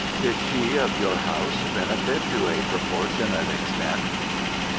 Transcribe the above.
Did she of your house benefit to a proportionate extent?"